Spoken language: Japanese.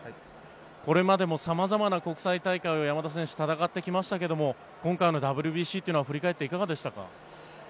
これまでも様々な国際大会を山田選手戦ってきましたけれども今回のＷＢＣというのは振り返っていかがでしたか。